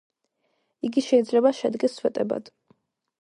იგი შეიძლება შედგეს სვეტებად.